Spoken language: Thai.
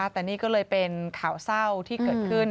แต่นี่ก็เลยเป็นข่าวเศร้าที่เกิดขึ้น